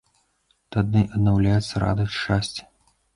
Тады аднаўляецца радасць, шчасце.